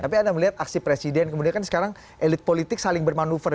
tapi anda melihat aksi presiden kemudian kan sekarang elit politik saling bermanuver